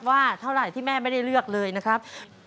ว่าเท่าไหร่ที่แม่ไม่ได้เลือกเลยนะครับ